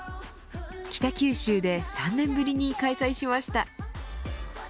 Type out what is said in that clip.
北九州で３年ぶりに開催しました。